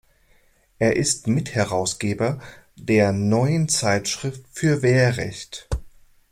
Er ist Mitherausgeber der "Neuen Zeitschrift für Wehrrecht".